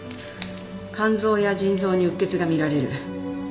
肝臓や腎臓に鬱血が見られる。